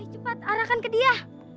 cepat arahkan ke dia